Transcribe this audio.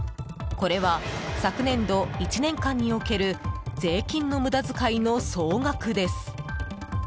これは昨年度１年間における税金の無駄遣いの総額です。